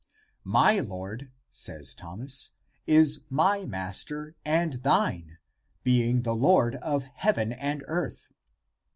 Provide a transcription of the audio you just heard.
"" My Lord," says Thomas, " is my Master and thine, being the Lord of heaven and earth."